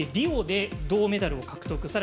リオで銅メダル獲得。